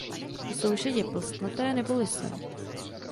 Jsou šedě plstnaté nebo lysé.